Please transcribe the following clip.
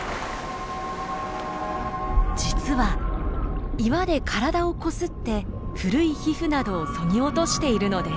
実は岩で体をこすって古い皮膚などをそぎ落としているのです。